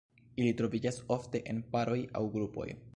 Ili troviĝas ofte en paroj aŭ grupoj.